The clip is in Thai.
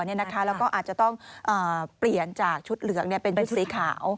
แล้วก็อาจจะต้องเปลี่ยนจากชุดเหลืองเป็นชุดสีขาว